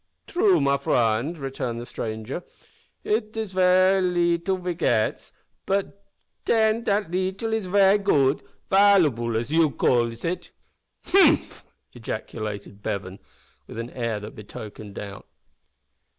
"True, me frund," returned the stranger, "it is ver' leetil ve gits; but den dat leetil is ver' goot valooable you calls it." "Humph!" ejaculated Bevan, with an air that betokened doubt.